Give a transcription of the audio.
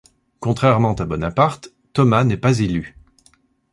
Contrairement à Bonaparte, Thomas n'est pas élu.